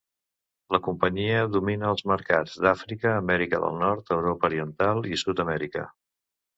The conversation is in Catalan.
La companyia domina els mercats d'Àfrica, Amèrica del Nord, Europa Oriental i Sud-amèrica.